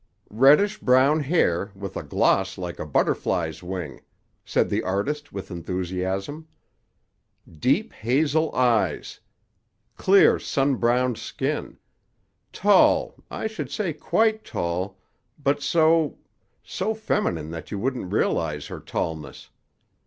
"Reddish brown hair with a gloss like a butterfly's wing," said the artist with enthusiasm; "deep hazel eyes; clear sun browned skin; tall—I should say quite tall—but so—so feminine that you wouldn't realize her tallness.